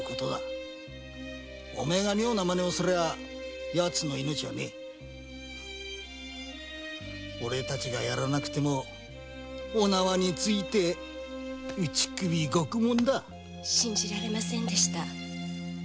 お前が妙なマネをすればヤツの命はねぇオレたちがやらねぇでもお縄について打ち首獄門だ信じられませんでした